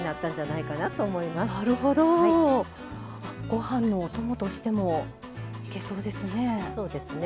ご飯のお供としてもいけそうですね。